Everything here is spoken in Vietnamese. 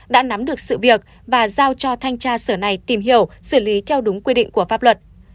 đã nắm được sự việc và giao cho thanh tra sở này tìm hiểu xử lý theo đúng quy định của pháp luật